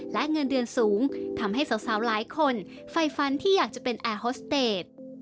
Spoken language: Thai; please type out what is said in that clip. และเงินเดือนสูงทำให้สาวหลายคนไฟฟันที่อยากจะเป็นแอร์ฮอสเตจ